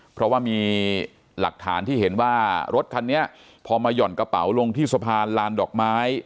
เพราะว่ามีหลักฐานที่เห็นว่ารถคันนี้พอมาหย่อนกระเป๋าลงที่สะพานลานดอกไม้